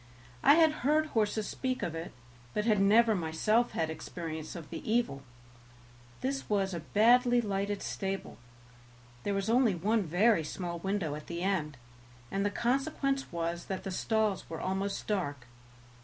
I had heard horses speak of it, but had never myself had experience of the evil; this was a badly lighted stable; there was only one very small window at the end, and the consequence was that the stalls were almost dark.